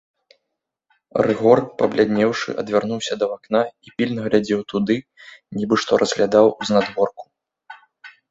Рыгор, пабляднеўшы, адвярнуўся да акна і пільна глядзеў туды, нібы што разглядаў знадворку.